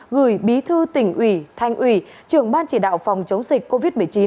gửi bí thư tỉnh ủy thanh ủy trưởng ban chỉ đạo phòng chống dịch covid một mươi chín